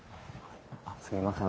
すみません。